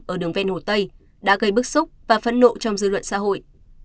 ở đường ven hồ tây đã gây bức xúc và phẫn nộ trong dư luận xã hội